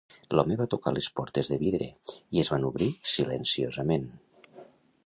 L'home va tocar les portes de vidre i es van obrir silenciosament.